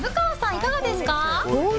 いかがですか？